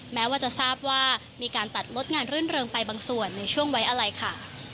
แม้ว่าจะทราบว่ามีการตัดลดงานรื่นเริงไปบางส่วนในช่วงไว้อะไรค่ะ